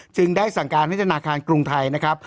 จึงได้สั่งการให้ธนาคารกรุงไทยนะครับ